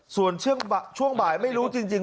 ส่วนช่วงบ่ายไม่รู้จริง